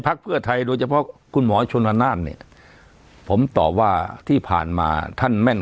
เพื่อไทยโดยเฉพาะคุณหมอชนวนานเนี่ยผมตอบว่าที่ผ่านมาท่านแม่น